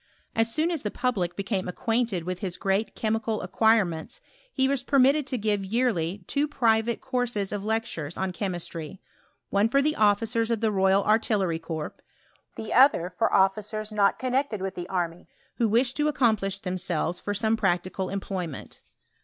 As soon as the public became acquainted with his great chemical acquirements he was permitted to give yearly two private courses of lectures on che mistry ; one for the officers of the royal artillery corps, the other for officers not connected with the army, who wished to accomplish themselves for some practical employment.